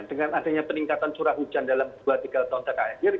dengan adanya peningkatan curah hujan dalam dua tiga tahun terakhir